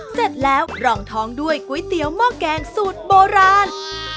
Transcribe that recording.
เสร็จแล้วรองท้องด้วยก๋วยเตี๋ยวหม้อแกงสูตรโบราณ